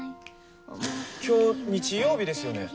きょう、日曜日ですよね。